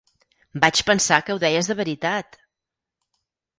"Vaig pensar que ho deies de veritat!